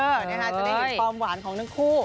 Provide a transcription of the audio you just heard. จะได้เห็นความหวานของทั้งคู่